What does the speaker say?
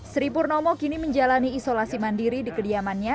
sri purnomo kini menjalani isolasi mandiri di kediamannya